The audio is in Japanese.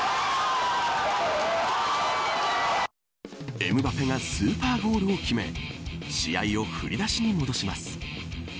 エムバペがスーパーゴールを決め試合を振り出しに戻します。